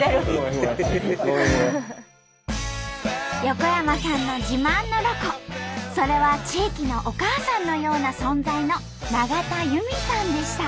横山さんの自慢のロコそれは地域のお母さんのような存在の永田由美さんでした。